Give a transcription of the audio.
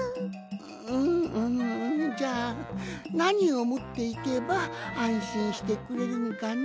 んんじゃあなにをもっていけばあんしんしてくれるんかの？